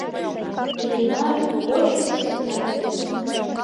Иллимарын кочмо шумыжат йомо.